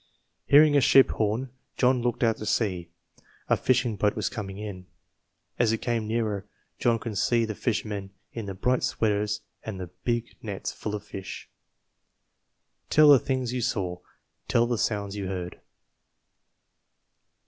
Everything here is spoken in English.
Hearing a ship horn, John looked out to sea. A fishing boat was coming in. As it came nearer, John could see the fishermen in their bright sweaters and the big nets full of fish. Tell the things you saw. Tell the sounds you heard.